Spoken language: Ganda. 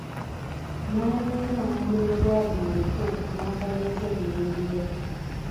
N'anyeenya omumuli we gwali mu nku n'akoleeza emmindi ye.